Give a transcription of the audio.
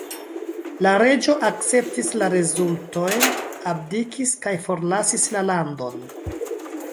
La reĝo akceptis la rezultojn, abdikis kaj forlasis la landon.